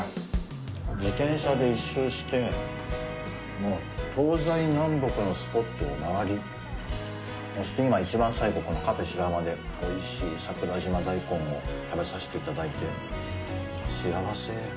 自転車で１周して、もう東西南北のスポットを回り、そして今、一番最後、この「カフェしらはま」でおいしい桜島大根を食べさせていただいて、幸せ。